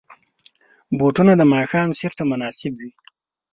بوټونه د ماښام سیر ته مناسب وي.